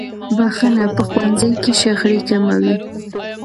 بخښنه په ښوونځي کې شخړې کموي.